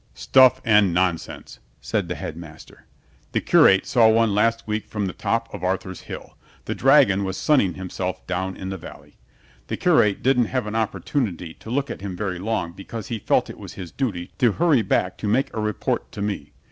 "Stuff and nonsense!" said the Headmaster. "The curate saw one last week from the top of Arthur's Hill. The dragon was sunning himself down in the valley. The curate didn't have an opportunity to look at him very long because he felt it was his duty to hurry back to make a report to me.